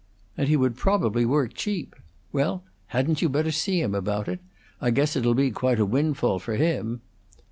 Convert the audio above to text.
"And he would probably work cheap. Well, hadn't you better see him about it? I guess it 'll be quite a windfall for him."